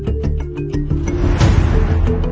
หรือมีใครขายแย่แพ้